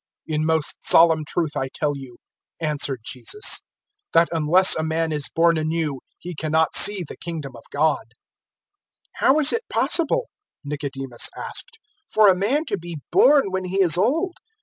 003:003 "In most solemn truth I tell you," answered Jesus, "that unless a man is born anew he cannot see the Kingdom of God." 003:004 "How is it possible," Nicodemus asked, "for a man to be born when he is old?